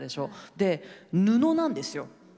で布なんですよ。